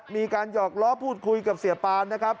หยอกล้อพูดคุยกับเสียปานนะครับ